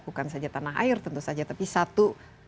bukan saja tanah air tentu saja tapi satu